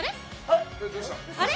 あれ？